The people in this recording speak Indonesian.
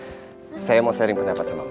apa tuh pak saya mau sharing pendapat sama mama